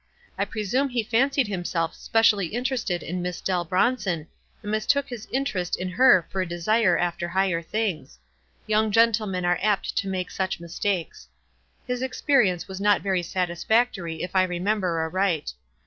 I presume he fancied himself specially interested in Miss Dell Bronson, and mistook his interest in her for a desire after higher things. Young gentle men are apt to make such mistakes. His ex perience was not very satisfactory, if I remem ber aright.